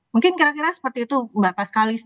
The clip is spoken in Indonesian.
mungkin kira kira seperti itu mbak paskalis